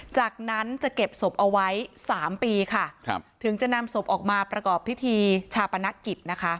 จากนั้นจะเก็บศพเอาไว้๓ปีค่ะถึงจะนำศพออกมาประกอบพิธีชาปนกิจนะคะ